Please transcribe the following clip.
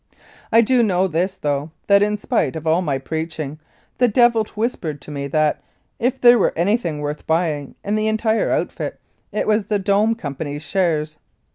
I do know this, though, that in spite of all my preaching, the devil whispered to me that, if there were anything worth buying in the entire outfit, it was the "Dome" Company's snares.